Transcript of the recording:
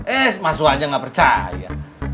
eh mas suha nya gak percaya